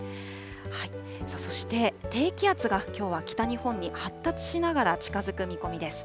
そして、低気圧がきょうは北日本に発達しながら近づく見込みです。